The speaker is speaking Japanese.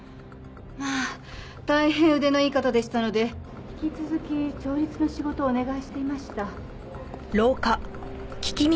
まあ大変腕のいい方でしたので引き続き調律の仕事をお願いしていました。